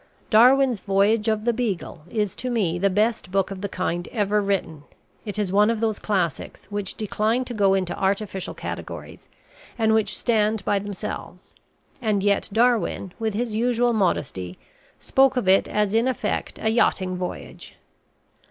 Darwin's "Voyage of the Beagle" is to me the best book of the kind ever written; it is one of those classics which decline to go into artificial categories, and which stand by themselves; and yet Darwin, with his usual modesty, spoke of it as in effect a yachting voyage.